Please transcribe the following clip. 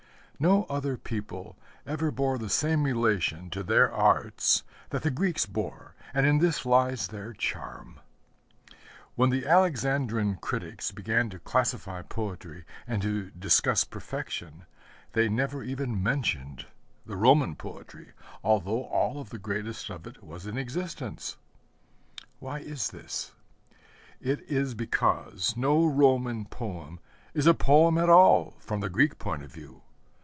No other people ever bore the same relation to their arts that the Greeks bore; and in this lies their charm. When the Alexandrine critics began to classify poetry and to discuss perfection, they never even mentioned the Roman poetry, although all of the greatest of it was in existence. Why is this? It is because no Roman poem is a poem at all from the Greek point of view.